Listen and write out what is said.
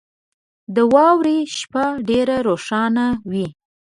• د واورې شپه ډېره روښانه وي.